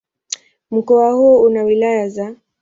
Mkoa huu una wilaya za